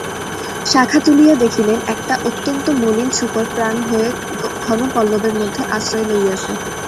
শাখা তুলিয়া দেখিলেন, একটা অত্যন্ত মলিন শূকর প্রাণভয়ে ঘন পল্লবের মধ্যে আশ্রয় লইয়াছে।